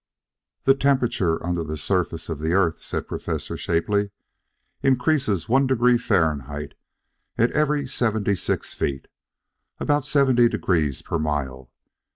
"The temperature under the surface of the earth," said Prof. Shapley, "increases one degree Fahrenheit at every seventy six feet, about seventy degrees per mile.